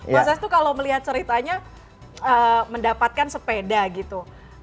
mas estu kalau melihat ceritanya mendapatkan sepeda gitu